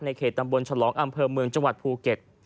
เขตตำบลฉลองอำเภอเมืองจังหวัดภูเก็ต